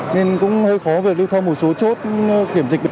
nên cũng hơi khó việc lưu thông một số chốt kiểm dịch